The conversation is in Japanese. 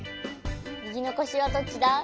みぎのこしはどっちだ？